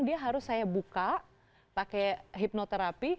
dia harus saya buka pakai hipnoterapi